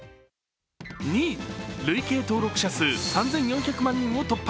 ２位、累計登録者数３４００万人を突破。